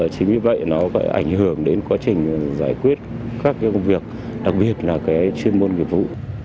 chính vì vậy nó phải ảnh hưởng đến quá trình giải quyết các vụ việc đặc biệt là chuyên môn nghiệp vụ